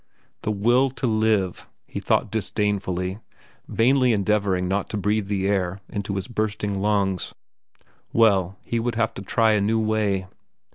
The will to live, he thought disdainfully, vainly endeavoring not to breathe the air into his bursting lungs. Well, he would have to try a new way.